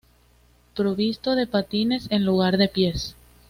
Provisto de patines en lugar de pies.